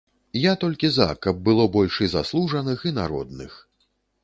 Я толькі за, каб было больш і заслужаных і народных.